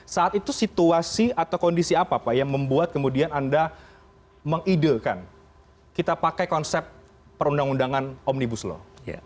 saat itu situasi atau kondisi apa pak yang membuat kemudian anda mengidekan kita pakai konsep perundang undangan omnibus law